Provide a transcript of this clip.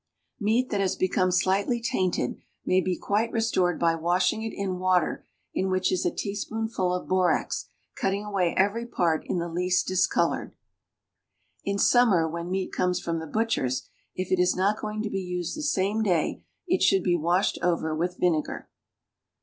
Meat that has become slightly tainted may be quite restored by washing it in water in which is a teaspoonful of borax, cutting away every part in the least discolored. In summer when meat comes from the butcher's, if it is not going to be used the same day, it should be washed over with vinegar.